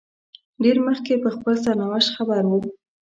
ډېر مخکې په خپل سرنوشت خبر وو.